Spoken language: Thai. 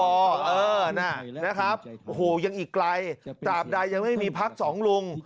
โอ้โหยังอีกไกลจาบใดยังไม่มีพักสองลุง